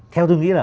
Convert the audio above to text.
theo tôi nghĩ là